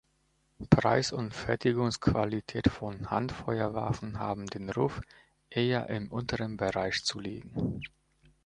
Preis und Fertigungsqualität von Handfeuerwaffen haben den Ruf, eher im unteren Bereich zu liegen.